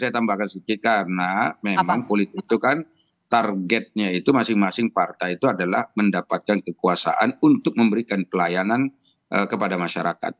saya tambahkan sedikit karena memang politik itu kan targetnya itu masing masing partai itu adalah mendapatkan kekuasaan untuk memberikan pelayanan kepada masyarakat